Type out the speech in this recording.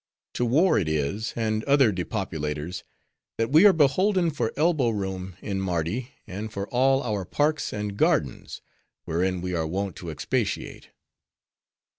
To war it is, and other depopulators, that we are beholden for elbow room in Mardi and for all our parks an gardens, wherein we are wont to expatiate.